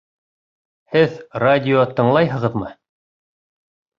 Һеҙ радио тыңлайһығыҙмы?